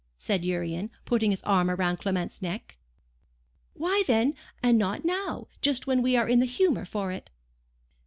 said Urian, putting his arm round Clement's neck. 'Why then, and not now, just when we are in the humour for it?